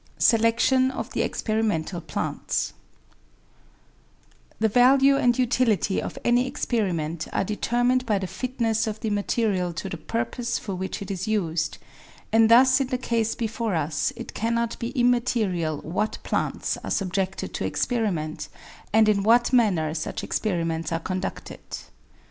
Selection of the Experimental Plants The value and utility of any experiment are determined by the fitness of the material to the purpose for which it is used, and thus in the case before us it cannot be immaterial what plants are subjected to experiment and irj what manner such experiments are conducted.